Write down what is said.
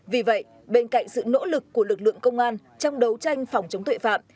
và lệnh tạm giam đối với trần đức